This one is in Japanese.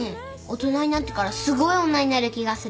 大人になってからすごい女になる気がする。